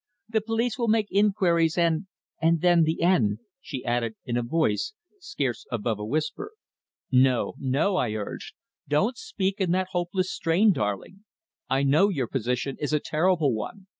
The police will make inquiries, and and then the end," she added in a voice scarce above a whisper. "No, no!" I urged. "Don't speak in that hopeless strain, darling. I know your position is a terrible one.